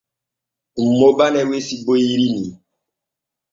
Kummo bane wesi boyri ni.